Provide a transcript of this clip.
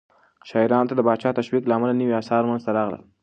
شاعرانو ته د پاچا د تشويق له امله نوي آثار منځته راغلل.